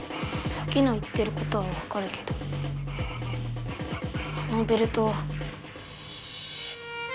サキの言ってることはわかるけどあのベルトは。